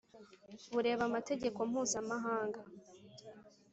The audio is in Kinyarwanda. bureba amategeko mpuzamahaga